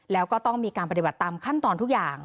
แล้วก็ต้องมีการปฏิบัติตามขั้นตอนทุกอย่าง